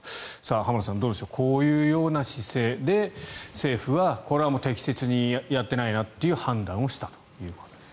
浜田さん、どうでしょうこういう姿勢で政府はこれは適切にやってないなという判断をしたということです。